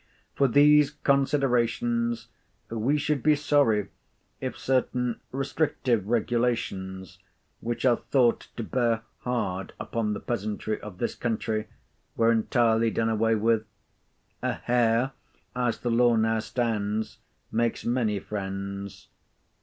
For these considerations we should be sorry if certain restrictive regulations, which are thought to bear hard upon the peasantry of this country, were entirely done away with. A hare, as the law now stands, makes many friends.